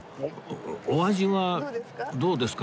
お味はどうですか？